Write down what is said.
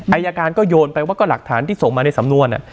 อายการก็โยนไปว่าก็หลักฐานที่ส่งมาในสำนวน